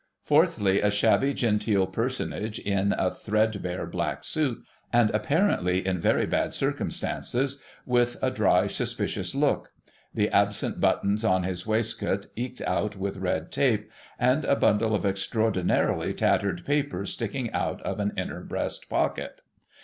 Fourthly, a shabby genteel personage in a threadbare black suit, and apparently in very bad circumstances, with a dry, suspicious look ; the absent buttons on his waistcoat eked out with red tape ; and a bundle of extraordinarily tattered papers sticking out of an inner breast pocket.